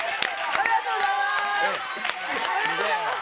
ありがとうございます。